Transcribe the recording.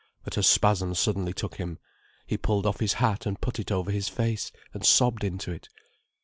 But a spasm suddenly took him, he pulled off his hat and put it over his face and sobbed into it.